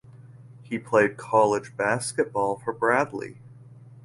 He played college basketball for Bradley.